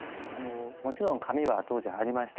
もちろん紙は当時ありました。